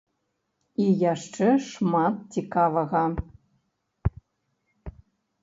І яшчэ шмат цікавага.